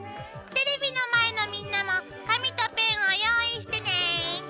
テレビの前のみんなも紙とペンを用意してね。